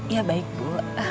iya baik bu